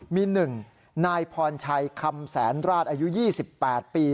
มี๑นายพรชัยคำแสนราชอายุ๒๘ปี